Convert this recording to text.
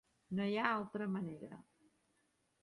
No hi ha altra manera.